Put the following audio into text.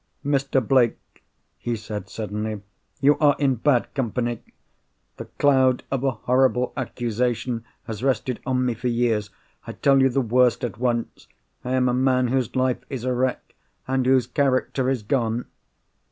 "Mr. Blake!" he said, suddenly. "You are in bad company. The cloud of a horrible accusation has rested on me for years. I tell you the worst at once. I am a man whose life is a wreck, and whose character is gone."